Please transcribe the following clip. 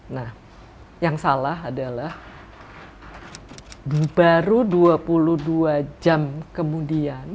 nah yang salah adalah baru dua puluh dua jam kemudian